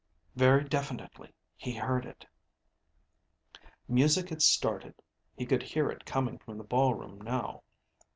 Very definitely he heard it Music had started. He could hear it coming from the ballroom now.